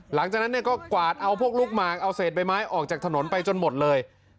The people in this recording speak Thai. หลังจากนั้นเนี่ยก็กวาดเอาพวกลูกหมากเอาเศษใบไม้ออกจากถนนไปจนหมดเลย